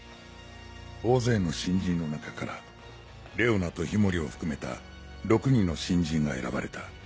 大勢の新人の中からレオナと氷森を含めた６人の新人が選ばれた。